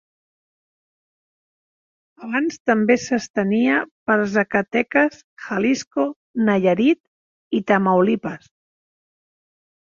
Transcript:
Abans també s'estenia per Zacatecas, Jalisco, Nayarit i Tamaulipas.